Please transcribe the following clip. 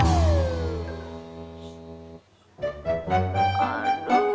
masih pikir pikir dulu